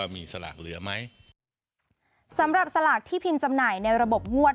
มีสลากเหลือไหมสำหรับสลากที่พิมพ์จำหน่ายในระบบงวด